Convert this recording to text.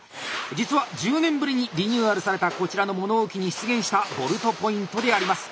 実は１０年ぶりにリニューアルされたこちらの物置に出現したボルトポイントであります。